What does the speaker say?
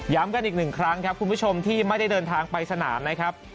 กันอีกหนึ่งครั้งครับคุณผู้ชมที่ไม่ได้เดินทางไปสนามนะครับ